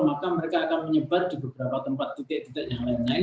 maka mereka akan menyebar di beberapa tempat titik titik yang lain lain